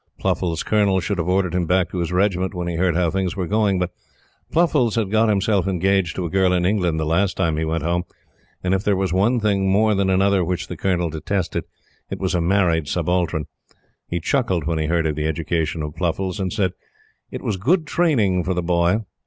Pluffles' Colonel should have ordered him back to his regiment when he heard how things were going. But Pluffles had got himself engaged to a girl in England the last time he went home; and if there was one thing more than another which the Colonel detested, it was a married subaltern. He chuckled when he heard of the education of Pluffles, and said it was "good training for the boy."